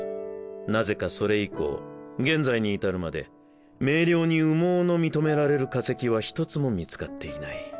なぜかそれ以降現在に至るまで明瞭に羽毛の認められる化石は一つも見つかっていない。